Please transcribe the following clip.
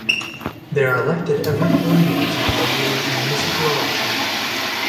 They are elected every four years, in the regular municipal election.